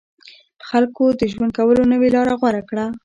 خلکو د ژوند کولو نوې لاره غوره کړه.